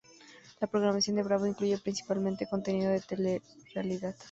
La programación de Bravo incluye principalmente contenido de telerrealidad.